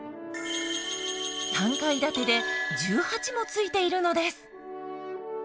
３階建てで１８もついているのです。